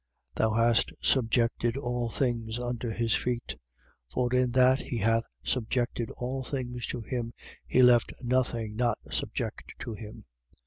2:8. Thou hast subjected all things under his feet. For in that he hath subjected all things to him he left nothing not subject to him.